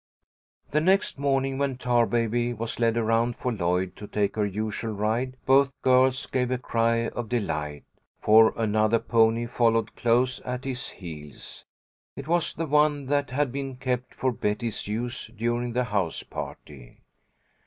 The next morning, when Tarbaby was led around for Lloyd to take her usual ride, both girls gave a cry of delight, for another pony followed close at his heels. It was the one that had been kept for Betty's use during the house party.